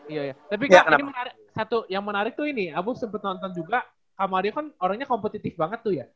iya tapi kak ini menarik satu yang menarik tuh ini abu sempat nonton juga kak maria kan orangnya kompetitif banget tuh ya